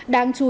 đáng chú ý là